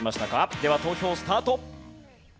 では投票スタート！